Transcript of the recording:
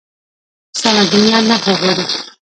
سمه جمله نحوه غواړي.